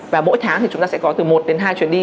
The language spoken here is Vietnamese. và mỗi tháng thì chúng ta sẽ có từ một đến hai chuyến đi